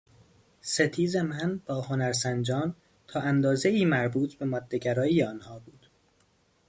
ستیز من با هنرسنجان تا اندازهای مربوط به مادهگرایی آنها بود.